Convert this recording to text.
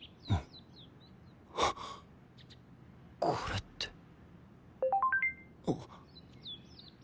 これって。